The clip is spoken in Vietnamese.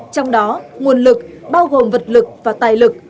trong đó nguồn lực bao gồm vật lực và tài lực